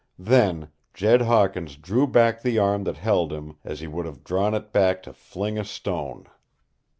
Then Jed Hawkins drew back the arm that held him, as he would have drawn it back to fling a stone.